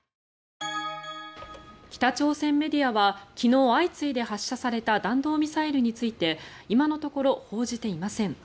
北朝鮮メディアは昨日、相次いで発射された弾道ミサイルについて今のところ報じていません。